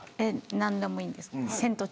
何でもいいんですか。